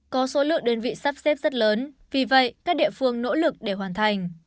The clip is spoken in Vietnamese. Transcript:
có số lượng đơn vị sắp xếp rất lớn vì vậy các địa phương nỗ lực để hoàn thành